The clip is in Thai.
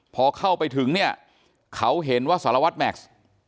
พอเข้าไปถึงเนี่ยเขาเห็นว่าสารวัตรแม็กซ์